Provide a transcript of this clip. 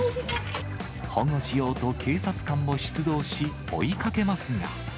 保護しようと警察官も出動し、追いかけますが。